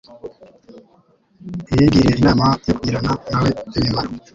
I yigiriye inama yo kugirana nawe imimaro